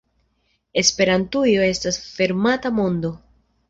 Esperantujo estas fermata mondo.